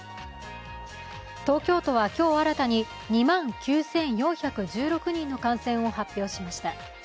東京都は今日新たに２万９４１６人の感染を発表しました。